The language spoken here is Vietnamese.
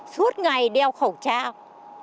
suốt ngày đeo khẩu trang